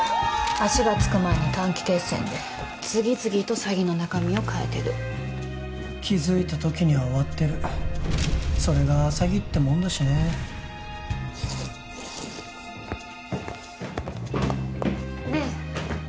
足がつく前に短期決戦で次々と詐欺の中身を変えてる気づいた時には終わってるそれが詐欺ってもんだしねねえ